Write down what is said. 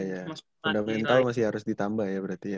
iya iya udah mau yang tau masih harus ditambah ya berarti ya